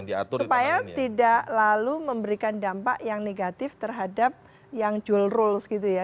supaya tidak lalu memberikan dampak yang negatif terhadap yang jual rules gitu ya